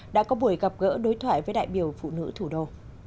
đã có buổi gặp gỡ đối thoại với đại biểu phụ nữ thủ đô